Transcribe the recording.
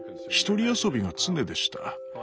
一人遊びが常でした。